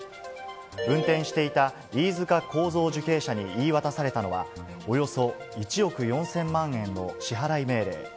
運転していた飯塚幸三受刑者に言い渡されたのは、およそ１億４０００万円の支払い命令。